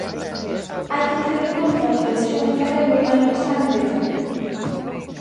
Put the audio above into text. Hai que ter en conta que a versión en galego aínda está en beta.